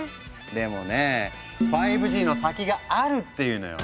でもね５Ｇの先があるっていうのよ。